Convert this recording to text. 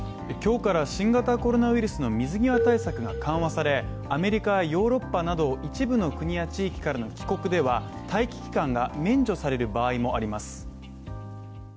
今日から新型コロナウイルスの水際対策が緩和されアメリカやヨーロッパなど、一部の国や地域からの帰国では待機期間が免除される場合もあります。